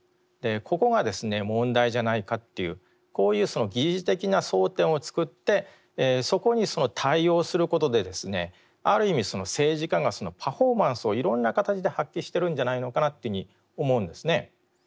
ここがですね問題じゃないかっていうこういう疑似的な争点を作ってそこに対応することでですねある意味政治家がパフォーマンスをいろんな形で発揮してるんじゃないのかなというふうに思うんですね。